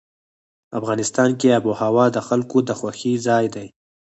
افغانستان کې آب وهوا د خلکو د خوښې ځای دی.